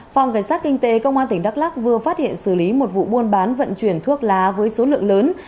phòng cảnh sát kinh tế công an tỉnh đắk lắc vừa phát hiện xử lý một vụ buôn bán vận chuyển thuốc lá với số lượng lớn